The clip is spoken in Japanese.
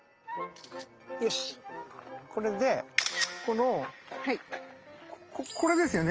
よしこれでこのこれですよね？